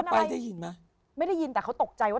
ไปได้ยินไหมไม่ได้ยินแต่เขาตกใจว่า